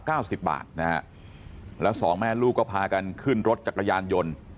สิบบาทนะฮะแล้วสองแม่ลูกก็พากันขึ้นรถจักรยานยนต์